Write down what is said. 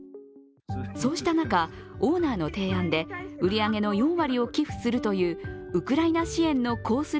そうした中、オーナーの提案で売り上げの４割を寄付するというウクライナ支援のコース